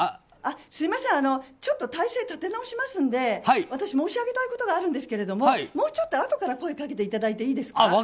すみません、ちょっと体勢を立て直しますので私、申し上げたいことがあるんですけれどももうちょっとあとから声をかけていただいていいですか。